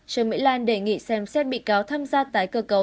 trương mỹ lan đề nghị xem xét bị cáo tham gia tái cơ cấu